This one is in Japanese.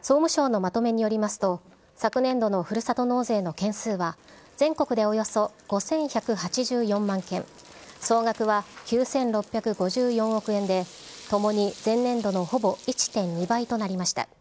総務省のまとめによりますと、昨年度のふるさと納税の件数は全国でおよそ５１８４万件、総額は９６５４億円で、ともに前年度のほぼ１．２倍となりました。